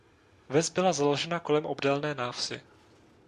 Ves byla založena kolem obdélné návsi.